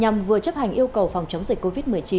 nhằm vừa chấp hành yêu cầu phòng chống dịch covid một mươi chín